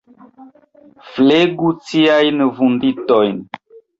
Flegu ciajn vunditojn.